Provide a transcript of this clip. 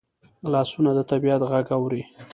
لاسونه د طبیعت غږ اوري